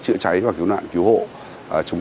chúc bạn đi qua đi đi qua